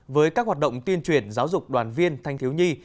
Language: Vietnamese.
với các hoạt động tuyên truyền giáo dục đoàn viên thanh thiếu nhi